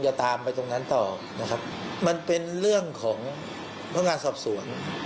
จะตามไปตรงนั้นต่อนะครับมันเป็นเรื่องของพนักงานสอบสวน